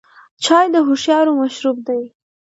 چای د هوښیارو مشروب دی.